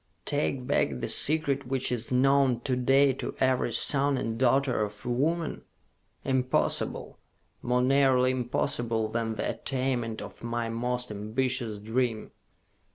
"Take back the Secret which is known to day to every son and daughter of woman? Impossible! More nearly impossible than the attainment of my most ambitious dream!"